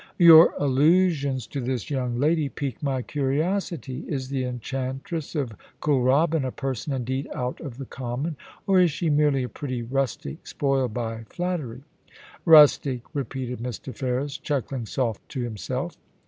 * Your allusions to this young lady pique my curiosity. Is the Enchantress of Kooralbyn a person indeed out of the common ; or is she merely a pretty rustic, spoiled by flattery ?'* Rustic !' repeated Mr. Ferris, chuckling softly to himself.